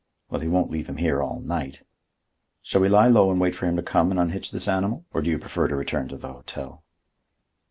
Well, he won't leave him here all night. Shall we lie low and wait for him to come and unhitch this animal? Or do you prefer to return to the hotel?"